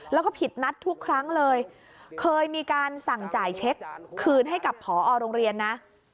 แล้วก็ผิดนัดทุกครั้งเลยเคยมีการสั่งจ่ายเช็คคืนให้กับผอโรงเรียนนะ